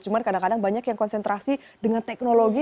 cuma kadang kadang banyak yang konsentrasi dengan teknologi